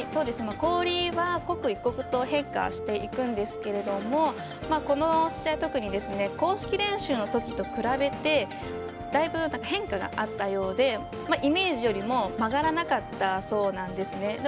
氷は刻一刻と変化していくんですけれどもこの試合は特に公式練習のときと比べてだいぶ変化があったようでイメージよりも曲がらなかったそうなんですね。